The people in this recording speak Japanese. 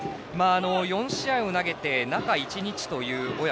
４試合を投げて中１日という小宅。